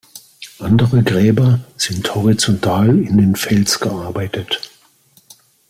Andere Gräber sind horizontal in den Fels gearbeitet.